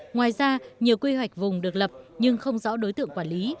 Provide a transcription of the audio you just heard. ngoài ra nhiều quy hoạch vùng được lập nhưng không rõ đối tượng quản lý